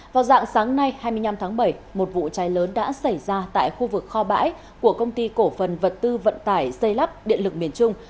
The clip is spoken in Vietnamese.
vào dạng sáng nay hai mươi năm tháng bảy một vụ cháy lớn đã xảy ra tại khu vực kho bãi của công ty cổ phần vật tư vận tải xây lắp điện lực miền trung